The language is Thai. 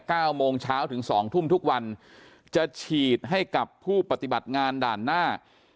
เก้าโมงเช้าถึงสองทุ่มทุกวันจะฉีดให้กับผู้ปฏิบัติงานด่านหน้า